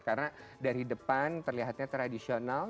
karena dari depan terlihatnya tradisional